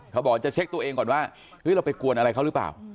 เขาบอกจะเช็คตัวเองก่อนว่าเราไปกวนอะไรเขาหรือเปล่า